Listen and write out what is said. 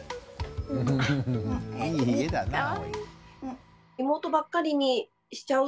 いい家だなぁ。